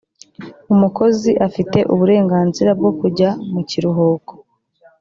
umukozi afite uburenganzira bwo kujya mu mucyiruhuko.